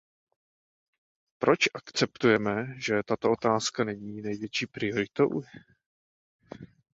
Proč akceptujeme, že tato otázka není největší prioritou?